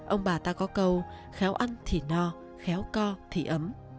ông bà ta có cầu khéo ăn thì no khéo co thì ấm